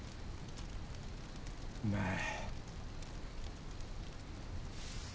うまい。